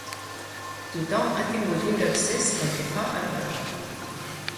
Tothom ha tingut lliure accés pel que fa al patró.